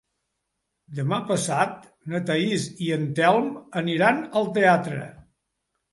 Demà passat na Thaís i en Telm aniran al teatre.